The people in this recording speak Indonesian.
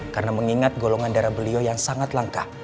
karena mengingat golongan darah beliau yang sangat langka